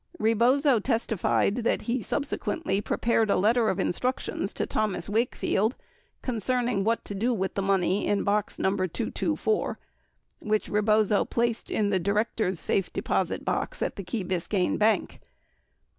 52 Rebozo testified that he subsequently prepared a letter of instructions to Thomas Wakefield concerning what to do with the money in box No. 224, which Rebozo placed in the director's safe deposit box at the Key Biscayne Bank.